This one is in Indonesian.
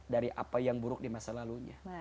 dari apa yang buruk di masa lalunya